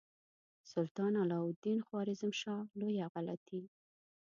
سلطان علاء الدین خوارزمشاه لویه غلطي.